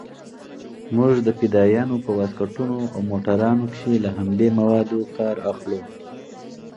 موږ د فدايانو په واسکټونو او موټرانو کښې له همدې موادو کار اخلو.